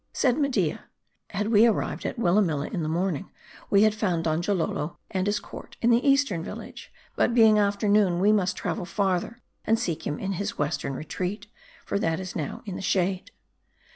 Said Media, " Had we arrived at Willamilla in the morning, we had found Donjalolo and his court in the east ern village ; but being afternoon, we must travel farther, and seek him in his western retreat ; for that is now in the shade."